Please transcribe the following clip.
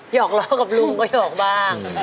อกล้อกับลุงก็หอกบ้าง